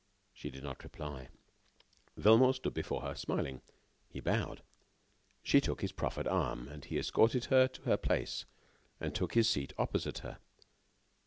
She did not reply. Velmont stood before her, smiling. He bowed. She took his proffered arm. He escorted her to her place, and took his seat opposite her.